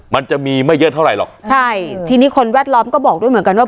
มันจะมีไม่เยอะเท่าไหร่หรอกใช่ทีนี้คนแวดล้อมก็บอกด้วยเหมือนกันว่า